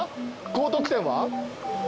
高得点は？